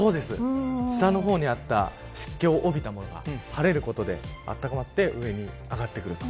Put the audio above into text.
そうです、下の方にあった湿気を帯びたものが晴れることで暖まって上に上がってくる。